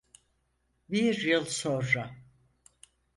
Bir yıl sonra.